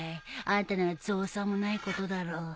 あんたなら造作もないことだろ？